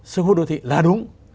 sư hút đô thị là đúng